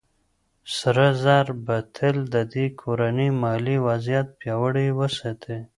سره زر به تل د دې کورنۍ مالي وضعيت پياوړی وساتي.